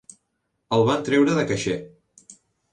El van treure de caixer.